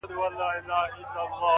• او راته وايي دغه ـ